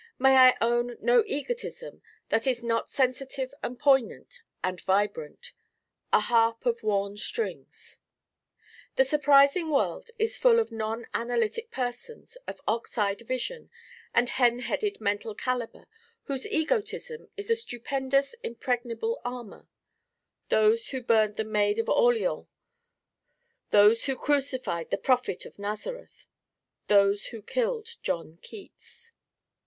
May I own no egotism that is not sensitive and poignant and vibrant: a harp of Worn Strings. The surprising world is full of non analytic persons of ox eyed vision and hen headed mental caliber whose egotism is a stupendous impregnable armor: those who burned the Maid of Orleans: those who crucified the prophet of Nazareth: those who killed John Keats.